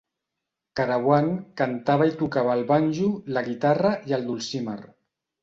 Carawan cantava i tocava el banjo, la guitarra i el dulcimer.